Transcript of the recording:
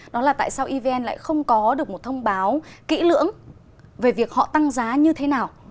đó là tại sao evn lại không có được một thông báo kỹ lưỡng về việc họ tăng giá như thế nào